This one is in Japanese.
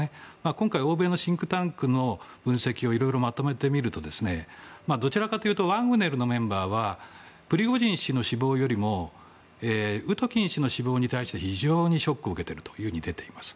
今回、欧米のシンクタンクの分析をまとめてみるとどちらかというとワグネルのメンバーはプリゴジン氏の死亡よりもウトキン氏の死亡に対して非常にショックを受けていると出ています。